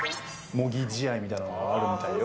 模擬試合みたいなものがあるみたいよ。